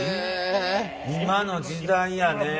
今の時代やね。